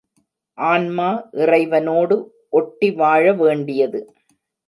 ஆன்மா இறைவனோடு ஒட்டி வாழ வேண்டியது.